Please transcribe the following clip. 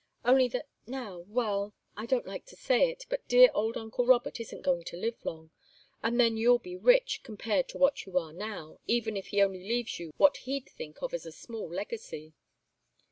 "Only that now well I don't like to say it, but dear old uncle Robert isn't going to live long, and then you'll be rich, compared to what you are now, even if he only leaves you what he'd think a small legacy."